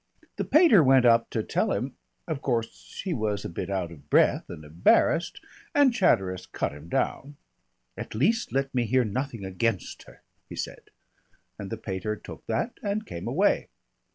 The pater went up to tell him. Of course, he was a bit out of breath and embarrassed. And Chatteris cut him down. 'At least let me hear nothing against her,' he said. And the pater took that and came away.